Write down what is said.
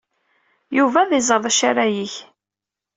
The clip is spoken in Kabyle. Yuba ad iẓer d acu ara yeg.